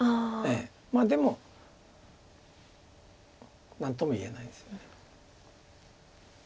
まあでも何とも言えないです。